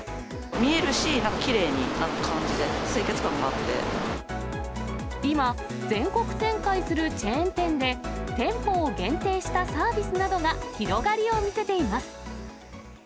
見えるし、なんかきれいな感じで、今、全国展開するチェーン店で、店舗を限定したサービスなどが広がりを見せています。